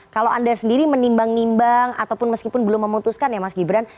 kalau anda sendiri menimbang nimbang ataupun meskipun belum memutuskan ya mas gibran